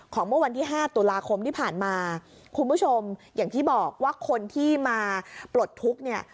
เมื่อวันที่ห้าตุลาคมที่ผ่านมาคุณผู้ชมอย่างที่บอกว่าคนที่มาปลดทุกข์เนี่ย